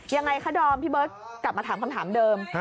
ยังไงคะดอมพี่เบิร์ตกลับมาถามคำถามเดิม